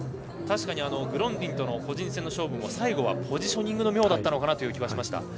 グロンディンとの個人戦の勝負も最後はポジショニングの妙だったのかなという気はしました。